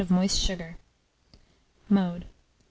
of moist sugar. Mode.